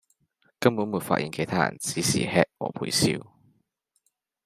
根本沒發現其他人只是吃和陪笑